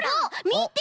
みて！